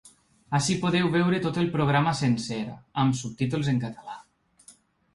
Ací podeu veure tot el programa sencer, amb subtítols en català.